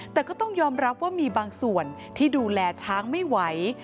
แต่ก็ต้องยอมรับว่ามีบางส่วนที่ดูแลช้างไม่ไหว